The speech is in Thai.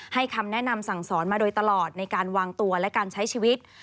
คำแนะนำสั่งสอนมาโดยตลอดในการวางตัวและการใช้ชีวิต